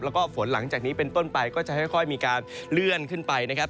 แล้วก็ฝนหลังจากนี้เป็นต้นไปก็จะค่อยมีการเลื่อนขึ้นไปนะครับ